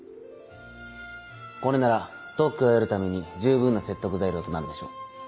これなら特許を得るために十分な説得材料となるでしょう。